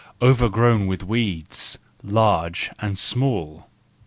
—overgrown with weeds, large and small.